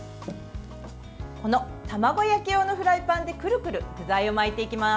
この卵焼き用のフライパンでくるくる具材を巻いていきます。